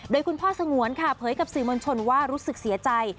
โดยคุณพ่อสงวนค่ะเผยกับสื่อมวลชนว่ารู้สึกเสียใจ